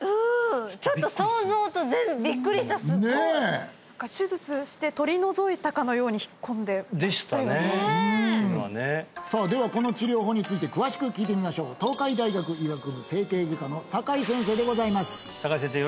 ちょっと想像と全然びっくりしたすごい手術して取り除いたかのように引っ込んでましたよねでしたねねえさあではこの治療法について詳しく聞いてみましょう東海大学医学部整形外科の酒井先生でございます酒井先生